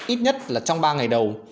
ít nhất trong ba ngày đầu